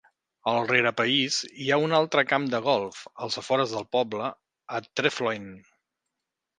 Al rerepaís hi ha un altre camp de golf, als afores del poble, a Trefloyne.